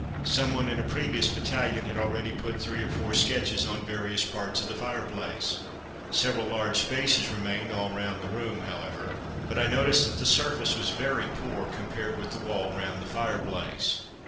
Some one in a previous battalion had already put three or four sketches on various parts of the fire place. Several large spaces remained all round the room, however; but I noticed that the surface was very poor compared with the wall round the fire place.